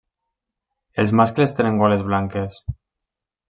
Els mascles tenen goles blanques.